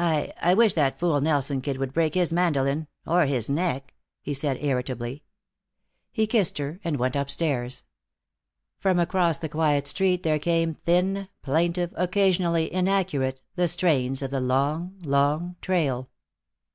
"I I wish that fool Nelson kid would break his mandolin or his neck," he said irritably. He kissed her and went upstairs. From across the quiet street there came thin, plaintive, occasionally inaccurate, the strains of the long, long trail.